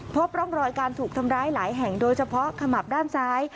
พบร่องรอยการถูกทำร้ายหลายแห่งโดยเฉพาะขมับด้านซ้าย